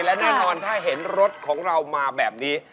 และแน่นอนถ้าเห็นรถของเรามาแบบนี้